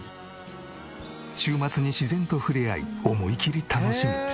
週末に自然と触れ合い思いきり楽しむ。